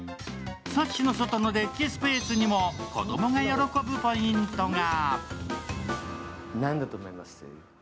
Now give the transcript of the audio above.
サッシの外のデッキスペースにも子供が喜ぶポイントが。